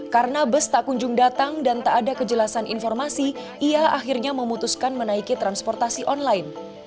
karena bus tak kunjung datang dan tak ada kejelasan informasi ia akhirnya memutuskan menaiki transportasi online